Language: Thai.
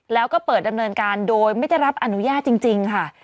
แล้วก็เปิดดำเนินการโดยไม่ได้รับอนุญาตจริงค่ะ